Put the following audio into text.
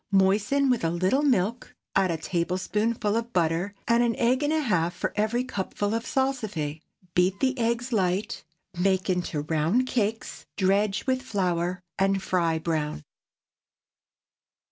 Moisten with a little milk; add a tablespoonful of butter, and an egg and a half for every cupful of salsify. Beat the eggs light. Make into round cakes, dredge with flour, and fry brown.